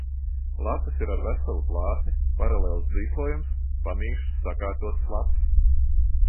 Lapas ir ar veselu plātni, paralēls dzīslojums, pamīšus sakārtotas lapas.